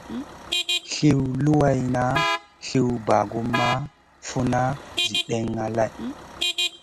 Sliw luwanŋa, sliw bagumʼma, funa, Zi ɗènŋa lèh.